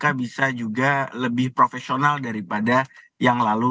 dan ini bisa menghasilkan keputusan yang lebih profesional daripada yang lalu